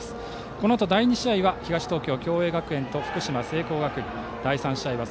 このあと第２試合は東東京の共栄学園と福島・聖光学院。